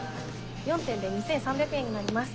４点で２，３００円になります。